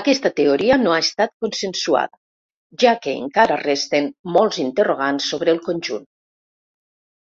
Aquesta teoria no ha estat consensuada, ja que encara resten molts interrogants sobre el conjunt.